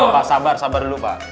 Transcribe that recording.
apa sabar sabar dulu pak